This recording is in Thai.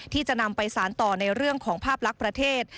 ที่จะนำไปสารต่อในเรื่องของภาพลักษณ์ประเทศ